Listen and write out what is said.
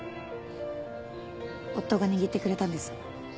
夫が握ってくれたんです。